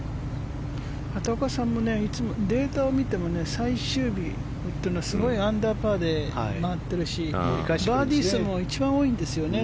畑岡さんもデータを見ても最終日というのはすごいアンダーパーで回ってるしバーディー数も一番多いんですよね